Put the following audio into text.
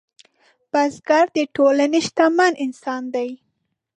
بزګر د ټولنې شتمن انسان دی